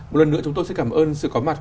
một lần nữa chúng tôi xin cảm ơn sự có mặt